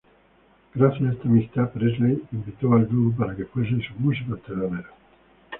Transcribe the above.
Gracias a esta amistad, Presley invitó al dúo para que fuesen sus músicos teloneros.